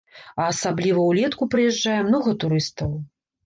А асабліва ўлетку прыязджае многа турыстаў.